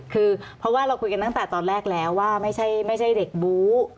คือเพราะว่าเราคุยกันตั้งแต่ตอนแรกแล้วว่าไม่ใช่เด็กบู๊